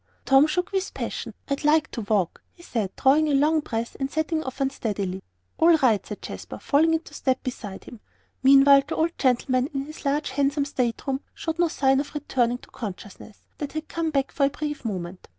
Tom shook with passion. "I'd like to walk," he said, drawing a long breath, and setting off unsteadily. "All right," said Jasper, falling into step beside him. Meantime the old gentleman, in his large handsome state room, showed no sign of returning to the consciousness that had come back for a brief moment.